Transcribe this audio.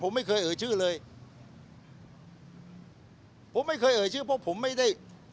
ผมไม่เคยเอ่ยชื่อเลยผมไม่เคยเอ่ยชื่อเพราะผมไม่ได้